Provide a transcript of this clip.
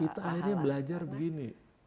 kita akhirnya belajar begini